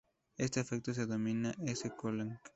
Este efecto se denomina "Z-Culling".